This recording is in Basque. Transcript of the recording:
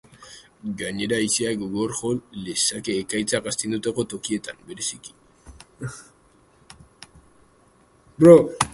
Gainera, haizeak gogor jo lezake ekaitzak astindutako tokietan, bereziki.